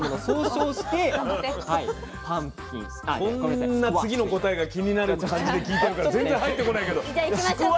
こんな次の答えが気になる感じで聞いてるから全然入ってこないけどスクワッシュね。